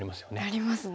なりますね。